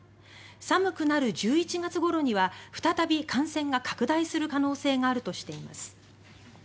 寒くなる１１月ごろには再び感染が拡大する可能性があるとしています。